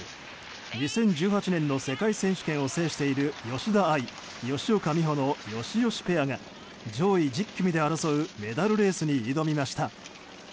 ２０１８年の世界選手権を制している吉田愛、吉岡美帆のよしよしペアが上位１０組で争うメダルレースに挑みました。